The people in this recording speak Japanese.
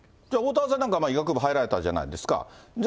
じゃあ、おおたわさんなんかは医学部入られたじゃないですか。